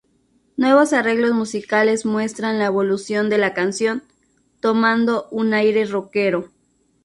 Nuevos arreglos musicales muestran la evolución de la canción, tomando un aire roquero.